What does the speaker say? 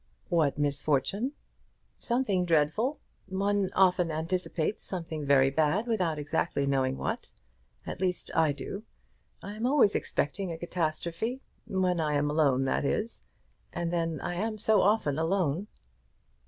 "What misfortune?" "Something dreadful! One often anticipates something very bad without exactly knowing what. At least, I do. I am always expecting a catastrophe; when I am alone that is; and then I am so often alone."